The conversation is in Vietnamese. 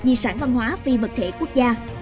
di sản văn hóa phi vật thể quốc gia